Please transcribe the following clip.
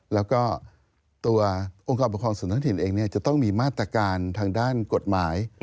แล้วก็ตัวองค์กรปกครองส่วนท้องถิ่นเองจะต้องมีมาตรการทางด้านกฎหมาย